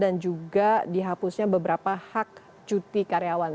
dan juga dihapusnya beberapa hak cuti karyawan